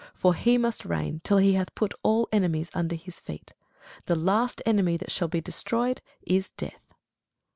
For he must reign, till he hath put all enemies under his feet. The last enemy that shall be destroyed is death.